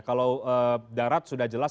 kalau darat sudah jelas